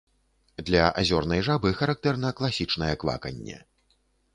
Для азёрнай жабы характэрна класічнае кваканне.